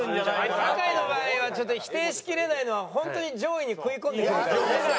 酒井の場合はちょっと否定しきれないのはホントに上位に食い込んでくるからね。